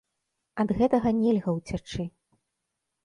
Ад гэтага нельга ўцячы.